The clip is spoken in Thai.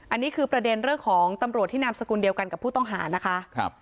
อันนี้คือประเด็นเรื่องของตำรวจที่นามสกุลเดียวกันกับผู้ต้องหานะคะ